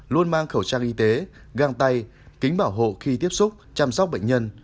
luôn mang khẩu trang y tế găng tay kính bảo hộ khi tiếp xúc chăm sóc bệnh nhân